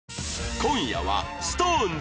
今夜は ＳｉｘＴＯＮＥＳ